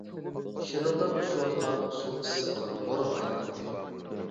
شىرىلداپ چۈشۈۋاتقان سۇ ئىسسىق ھورغا ئايلىناتتى.